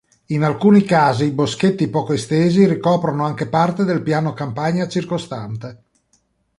In alcuni casi boschetti poco estesi ricoprono anche parte del piano campagna circostante.